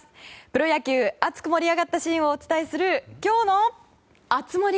プロ野球熱く盛り上がったシーンをお伝えする今日の熱盛！